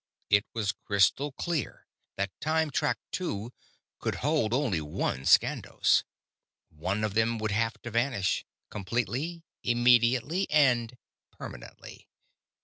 It was crystal clear that Time Track Two could hold only one Skandos. One of them would have to vanish completely, immediately, and permanently.